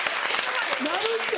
なるって！